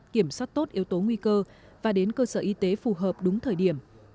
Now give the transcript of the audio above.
kiểm soát tốt yếu tố nguy cơ và đến cơ sở y tế phù hợp đúng thời điểm